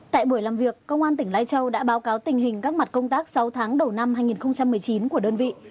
tại buổi làm việc công an tỉnh lai châu đã báo cáo tình hình các mặt công tác sáu tháng đầu năm hai nghìn một mươi chín của đơn vị